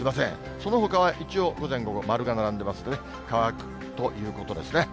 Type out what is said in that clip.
そのほかは一応、午前、午後、丸が並んでますので、乾くということですね。